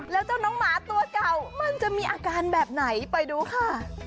แล้วเจ้าน้องหมาตัวเก่ามันจะมีอาการแบบไหนไปดูค่ะ